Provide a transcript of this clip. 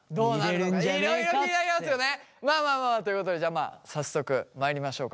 まあまあまあまあということでじゃあまあ早速まいりましょうか。